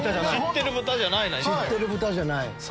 知ってる豚じゃないな。